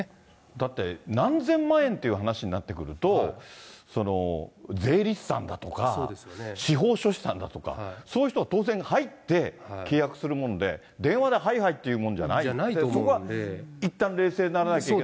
だって、何千万円っていう話になってくると、税理士さんだとか、司法書士さんだとか、そういう人当然入って、契約するもので、電話で、はいはいっていうもんじゃないと思うんで、そこはいったん冷静にならないと。